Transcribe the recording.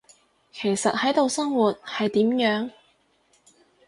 其實喺度生活，係點樣？